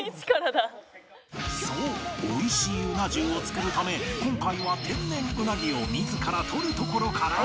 そう美味しいうな重を作るため今回は天然ウナギを自らとるところからスタート